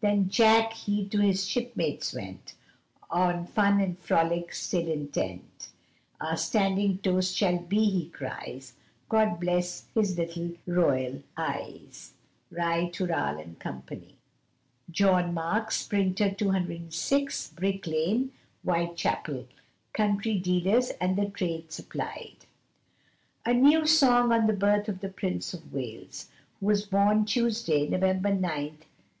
Then Jack he to his shipmates went, On fun and frolic still intent Our standing toast shall be, he cries, 'God bless his little Royal eyes!' Ri tooral, &c. John Marks, Printer, 206, Brick Lane, Whitechapel. Country Dealers and the Trade supplied. A NEW SONG ON THE BIRTH OF THE PRINCE OF WALES Who was born on Tuesday, November 9th, 1841.